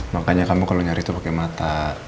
makanya kamu kalau nyari itu pakai mata